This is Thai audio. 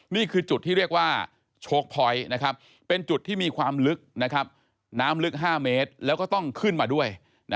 นี่คือจุดที่เรียกว่าโชคพอยต์เป็นจุดที่มีความลึกน้ำลึก๕เมตรแล้วก็ต้องขึ้นมาด้วย